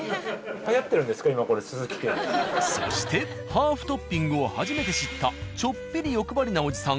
そしてハーフトッピングを初めて知ったちょっぴり欲張りなおじさん